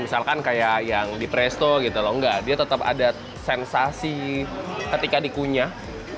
misalkan kayak yang di presto gitu loh enggak dia tetap ada sensasi ketika dikunyah